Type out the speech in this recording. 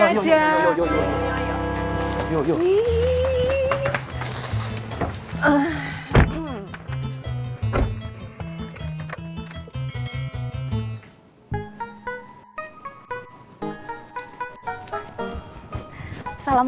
salam walaikum salam